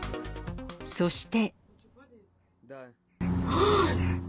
そして。